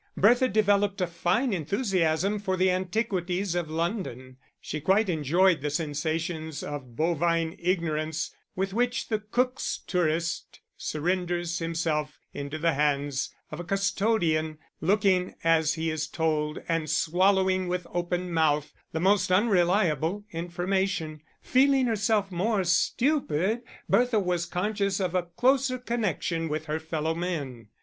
Bertha developed a fine enthusiasm for the antiquities of London; she quite enjoyed the sensations of bovine ignorance with which the Cook's tourist surrenders himself into the hands of a custodian, looking as he is told and swallowing with open mouth the most unreliable information. Feeling herself more stupid, Bertha was conscious of a closer connection with her fellow men.